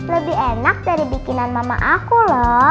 lebih enak dari bikinan mama aku loh